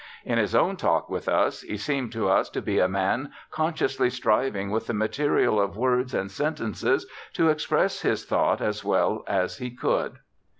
In his own talk with us, he seemed to us to be a man consciously striving with the material of words and sentences to express his thought as well as he could.